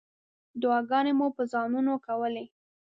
دعاګانې مو په ځانونو کولې.